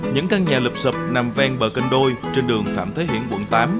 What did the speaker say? những căn nhà lập sập nằm ven bờ kênh đôi trên đường phạm thế hiển quận tám